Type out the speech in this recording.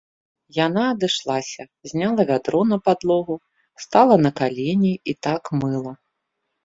Яна адышлася, зняла вядро на падлогу, стала на калені і так мыла.